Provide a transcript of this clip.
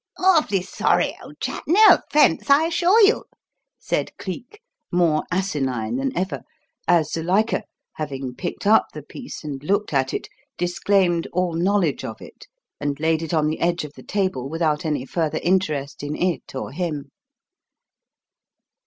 "Awfully sorry, old chap, no offence, I assure you," said Cleek, more asinine than ever, as Zuilika, having picked up the piece and looked at it, disclaimed all knowledge of it, and laid it on the edge of the table without any further interest in it or him.